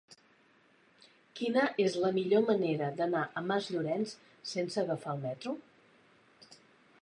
Quina és la millor manera d'anar a Masllorenç sense agafar el metro?